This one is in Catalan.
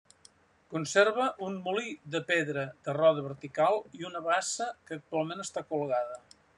Conserva un molí de pedra de roda vertical i una bassa, que actualment està colgada.